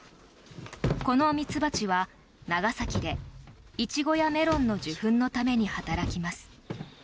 このミツバチは長崎でイチゴやメロンの受粉のために働きます。